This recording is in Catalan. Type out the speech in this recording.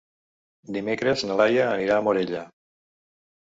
Dimecres na Laia anirà a Morella.